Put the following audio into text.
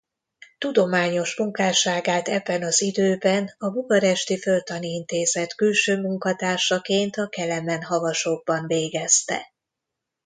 Tudományos munkásságát ebben az időben a bukaresti Földtani Intézet külső munkatársaként a Kelemen-havasokban végezte.